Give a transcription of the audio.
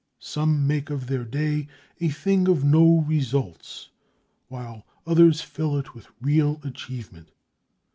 Some make of their day a thing of no results, while others fill it with real achievement.